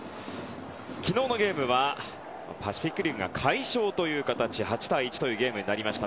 昨日のゲームはパシフィック・リーグが快勝という形、８対１というゲームになりました。